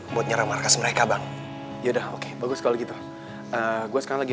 buat ngelibatin abang di masalah kikik